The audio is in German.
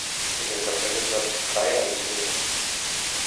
In der Kapelle gab es drei Altäre.